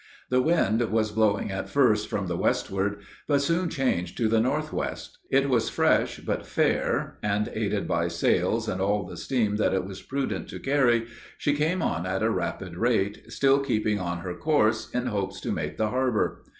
The wind was blowing at first from the westward, but soon changed to the northwest it was fresh but fair, and aided by sails and all the steam that it was prudent to carry, she came on at a rapid rate, still keeping on her course, in hopes to make the harbor.